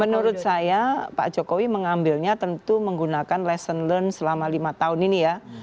menurut saya pak jokowi mengambilnya tentu menggunakan lesson learned selama lima tahun ini ya